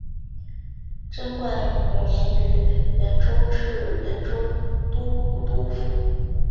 贞观五年于原州置原州都督府。